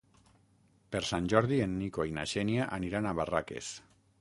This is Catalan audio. Per Sant Jordi en Nico i na Xènia aniran a Barraques.